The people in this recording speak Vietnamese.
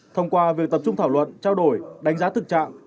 thông qua việc tập trung thảo luận trao đổi đánh giá thực trạng